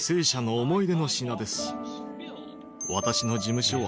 私の事務所は。